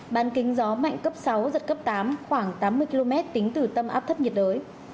ban kính gió mạnh cấp sáu giật cấp tám khoảng tám mươi km tính từ tâm áp thấp nhiệt đới